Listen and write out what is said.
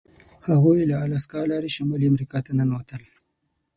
هغوی له الاسکا لارې شمالي امریکا ته ننوتل.